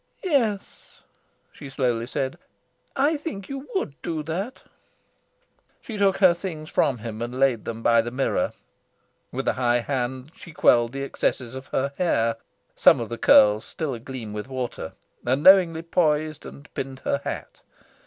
"Yes," she slowly said, "I think you would do that." She took her things from him, and laid them by the mirror. With a high hand she quelled the excesses of her hair some of the curls still agleam with water and knowingly poised and pinned her hat.